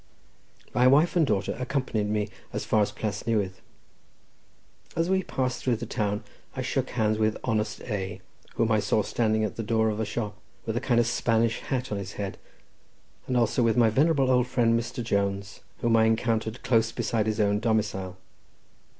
My wife and daughter accompanied me as far as Plas Newydd. As we passed through the town I shook hands with honest A—, whom I saw standing at the door of a shop, with a kind of Spanish hat on his head, and also with my venerable friend old Mr. Jones, whom I encountered close beside his own domicile.